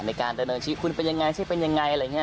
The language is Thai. ในการเริ่มชีวิตคุณเป็นยังไงชิคกี้พายเป็นยังไงอะไรอย่างนี้